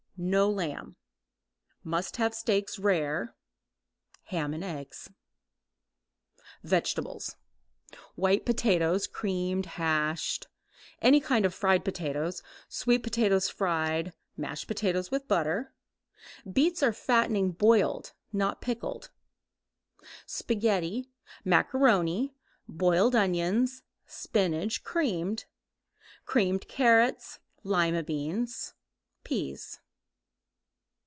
No lamb. Must have steaks rare. Ham and eggs. Vegetables. White potatoes, creamed, hashed, any kind of fried potatoes, sweet potatoes fried, mashed potatoes with butter. Beets are fattening boiled not pickled. Spaghetti, macaroni, boiled onions, spinach, creamed, creamed carrots, lima beans, peas.